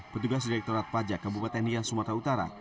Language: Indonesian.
petugas direkturat pajak kabupaten nia sumatera utara